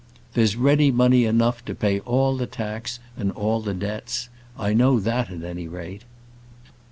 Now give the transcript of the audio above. There's ready money enough to pay all the tax and all the debts. I know that, at any rate."